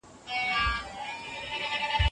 که د اوبو زیرمې پاکي وساتل سي، نو اوبه نه بوی کوي.